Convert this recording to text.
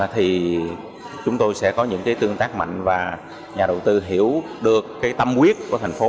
thì chúng tôi sẽ có những cái tương tác mạnh và nhà đầu tư hiểu được cái tâm quyết của thành phố